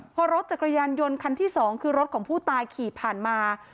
พอรถจักรยานยนต์คันที่สองคือรถของผู้ตายขี่ผ่านมา